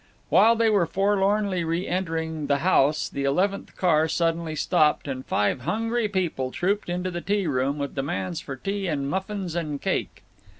While they were forlornly re entering the house the eleventh car suddenly stopped, and five hungry people trooped into the tea room with demands for tea and muffins and cake.